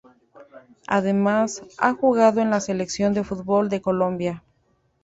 Además, ha jugado en la Selección de fútbol de Colombia.